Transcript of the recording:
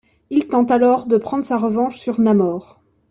Il tente alors de prendre sa revanche sur Namor.